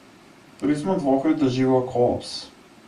Туризмот во Охрид доживува колапс.